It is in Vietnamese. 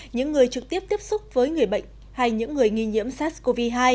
những người trực tiếp tiếp xúc với người bệnh hay những người nghi nhiễm sars cov hai